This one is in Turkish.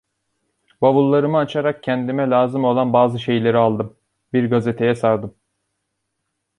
Bavullarımı açarak kendime lazım olan bazı şeyleri aldım, bir gazeteye sardım.